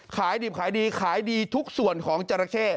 ขายดิบขายดีขายดีทุกส่วนของจราเข้